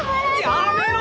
やめろ！